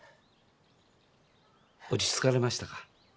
落ち着かれましたか？